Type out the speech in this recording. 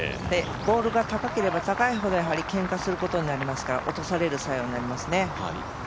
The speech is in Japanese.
ボールが高ければ高いほどけんかすることになりますから落とされる作用になりますね。